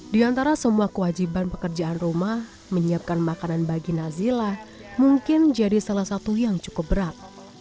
di antara semua kewajiban pekerjaan rumah menyiapkan makanan bagi nazila mungkin jadi salah satu yang cukup berat